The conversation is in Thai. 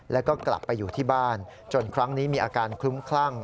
แล้วก็กลับไปอยู่ที่บ้านจนครั้งนี้มีอาการคลุ้มคลั่ง